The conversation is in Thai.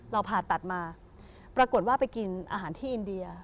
ผ่าตัดมาปรากฏว่าไปกินอาหารที่อินเดีย